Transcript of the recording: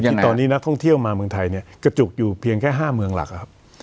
ที่ตอนนี้นักท่องเที่ยวมาเมืองไทยเนี่ยกระจุกอยู่เพียงแค่๕เมืองหลักครับ